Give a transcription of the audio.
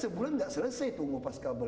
sebulan nggak selesai tunggu pas kabar